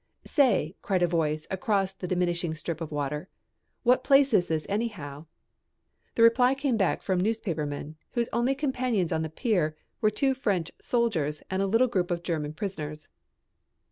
"Say," cried a voice across the diminishing strip of water, "what place is this anyhow?" The reply came back from newspapermen whose only companions on the pier were two French soldiers and a little group of German prisoners.